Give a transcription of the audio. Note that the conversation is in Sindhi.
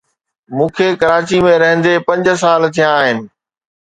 مون کي ڪراچي ۾ رھندي پنج سال ٿيا آھن.